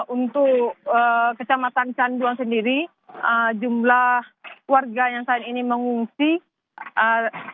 untuk kecamatan canduan sendiri jumlah warga yang saat ini mengungsi